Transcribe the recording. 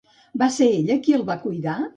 Va ser ella qui el va cuidar?